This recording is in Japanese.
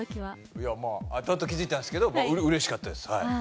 いやまあ後々気づいたんですけどうれしかったです